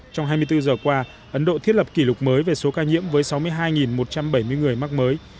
trong hai mươi bốn giờ qua ấn độ thiết lập kỷ lục mới về số ca nhiễm với sáu mươi hai một trăm bảy mươi người mắc mới